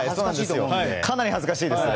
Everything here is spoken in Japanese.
かなり恥ずかしいです。